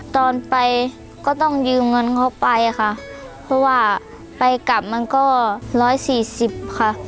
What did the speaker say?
ตอนไปก็ต้องยืมเงินเขาไปค่ะเพราะว่าไปกลับมันก็ร้อยสี่สิบค่ะ